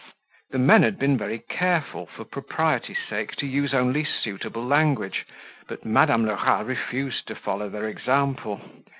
The men had been very careful, for propriety's sake, to use only suitable language, but Madame Lerat refused to follow their example.